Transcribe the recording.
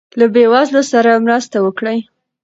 له بې وزلو سره مرسته وکړئ.